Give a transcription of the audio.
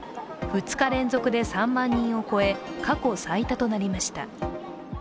２日連続で３万人を超え、過去最多となりました。